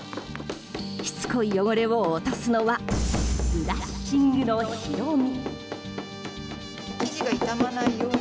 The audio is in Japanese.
しつこい汚れを落とすのはブラッシングの広美。